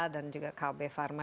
dan juga kb pharma